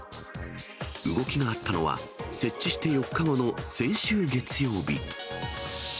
動きがあったのは、設置して４日後の先週月曜日。